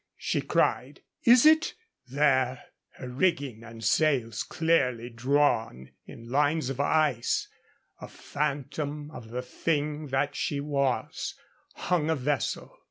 she cried. "Is it " There, her rigging and sails clearly drawn in lines of ice, a phantom of the thing that she was, hung a vessel.